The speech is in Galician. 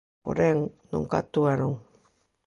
Porén, nunca actuaron.